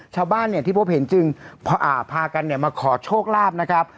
ชาวบ้านเนี่ยที่พบเห็นจึงพากันเนี่ยมาขอโชคลาภนะครับ